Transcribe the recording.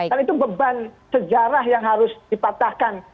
kan itu beban sejarah yang harus dipatahkan